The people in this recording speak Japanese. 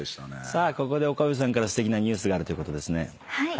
さあここで岡部さんからすてきなニュースがあるということですね。